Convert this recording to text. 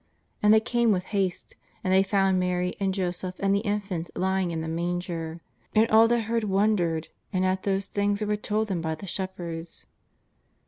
^'And they came with haste; and they found Mary and Joseph and the Infant lying in the manger. And all that heard wondered, and at those things that were told them by the shepherds."